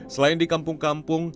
selain di kampung kampung